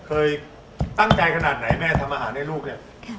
เคยตั้งใจขนาดไหนแม่ทำอาหารให้ลูกเนี่ย